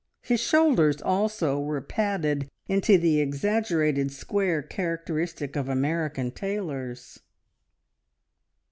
His shoulders also were padded into the exaggerated square, characteristic of American tailors.